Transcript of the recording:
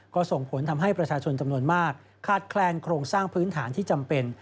ก็ส่งผลทำให้ประชาชนจำนวนมากขาดแคลนโครงสร้างพื้นฐานที่จำเป็น